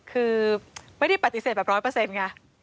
คือไม่ได้ปฏิเสธแบบร้อยเปอร์เซ็นต์ไง